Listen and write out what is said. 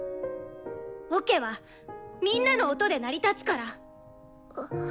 オケはみんなの音で成り立つから。